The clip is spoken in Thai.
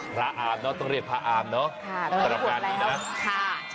พระอาวนะต้องเรียกพระอาวเนอะเมื่อประวัติการรฟิวัฏนี้นะ